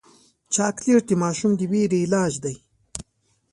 چاکلېټ د ماشوم د ویرې علاج دی.